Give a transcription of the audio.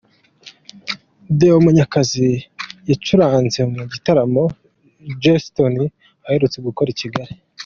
Deo Munyakazi yacuranze mu gitaramo Joss Stone aherutse gukorera i Kigali.